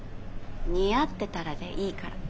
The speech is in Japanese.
似合ってたらでいいから。